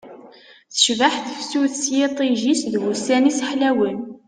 Tecbeḥ tefsut s yiṭij-is d wussan-is ḥlawen